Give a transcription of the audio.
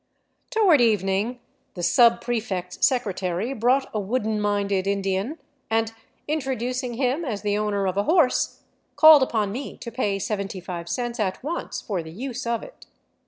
Toward evening the subprefect's secretary brought a wooden minded Indian and, introducing him as the owner of a horse, called upon me to pay 75 cents at once for the use of it.